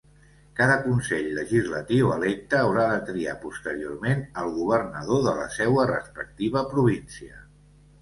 Cada Consell Legislatiu electe haurà de triar posteriorment al Governador de la seua respectiva província.